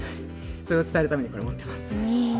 それを伝えるためにこれを持っています。